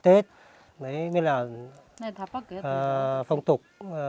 tết mới là phòng tục